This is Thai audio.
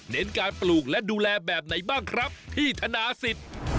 เน้นการปลูกและดูแลแบบไหนบ้างครับพี่ธนาศิษย์